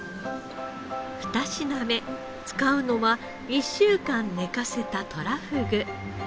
２品目使うのは１週間寝かせたとらふぐ。